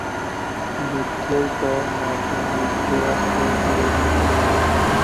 যুদ্ধের পর মার্কিন যুক্তরাষ্ট্রে ফিরে যান।